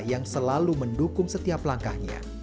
yang selalu mendukung setiap langkahnya